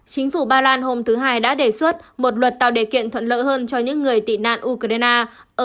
chính phủ ba lan hôm thứ hai đã đề xuất một luật tạo điều kiện thuận lợi hơn cho những người tị nạn ukraine